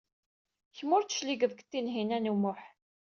Kemm ur d-tecliged seg Tinhinan u Muḥ.